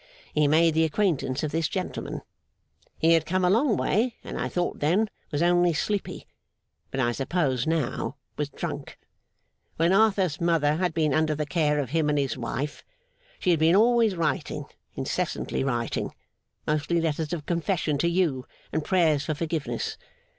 he made the acquaintance of this gentleman. He had come a long way, and, I thought then, was only sleepy; but, I suppose now, was drunk. When Arthur's mother had been under the care of him and his wife, she had been always writing, incessantly writing, mostly letters of confession to you, and Prayers for forgiveness.